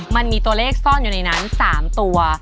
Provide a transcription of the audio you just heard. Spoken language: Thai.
มันมีตัวเลขซ่อนอยู่ในนั้น๓ตัว